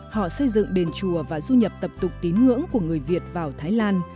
họ xây dựng đền chùa và du nhập tập tục tín ngưỡng của người việt vào thái lan